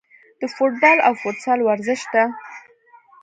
د فوټبال او فوتسال ورزش ته